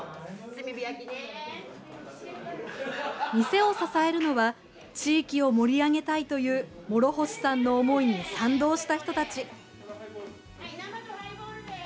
店を支えるのは地域を盛り上げたいという諸星さんの思いに賛同した人たち。